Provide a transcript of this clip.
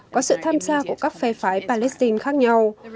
có sự tham gia của các phe phái palestine khác nhau